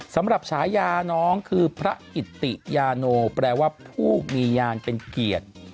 ฉายาน้องคือพระกิติยาโนแปลว่าผู้มียานเป็นเกียรติ